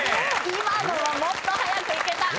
今のはもっと早くいけた！